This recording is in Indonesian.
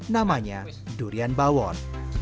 namanya durian bawor